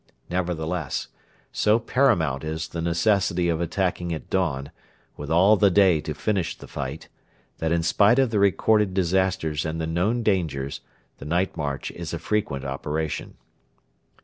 Nevertheless, so paramount is the necessity of attacking at dawn, with all the day to finish the fight, that in spite of the recorded disasters and the known dangers, the night march is a frequent operation.